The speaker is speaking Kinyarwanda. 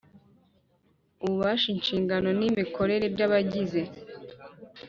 Ububasha inshingano n imikorere by abagize